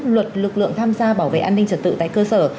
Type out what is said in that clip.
luật lực lượng tham gia bảo vệ an ninh trật tự tại cơ sở